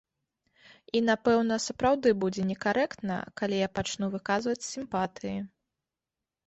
І, напэўна, сапраўды будзе некарэктна, калі я пачну выказваць сімпатыі.